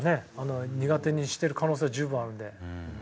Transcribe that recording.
苦手にしてる可能性は十分あるんで。